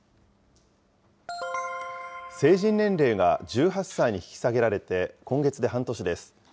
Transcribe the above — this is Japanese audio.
成人年齢が１８歳に引き下げられて今月で半年です。